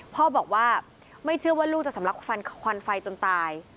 พ่อบอกว่าไม่เชื่อว่าลูกจะสำลักฟันควันไฟจนตาย